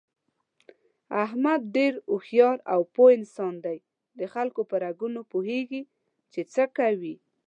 احمد ډېر هوښیار او پوه انسان دی دخلکو په رګونو پوهېږي، چې څه کوي...